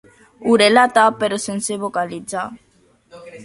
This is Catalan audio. Ho relata però sense vocalitzar.